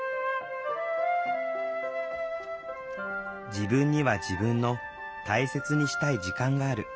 「自分には自分の大切にしたい時間がある」。